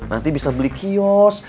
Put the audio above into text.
nanti bisa beli kios